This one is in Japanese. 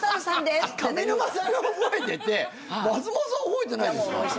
上沼さんが覚えてて松本さん覚えてないんですか？